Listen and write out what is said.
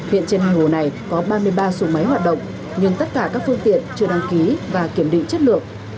hiện trên hồ này có ba mươi ba xuồng máy hoạt động nhưng tất cả các phương tiện chưa đăng ký và kiểm định chất lượng